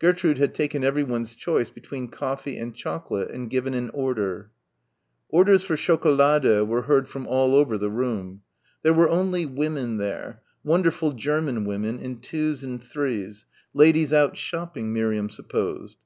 Gertrude had taken everyone's choice between coffee and chocolate and given an order. Orders for schocolade were heard from all over the room. There were only women there wonderful German women in twos and threes ladies out shopping, Miriam supposed.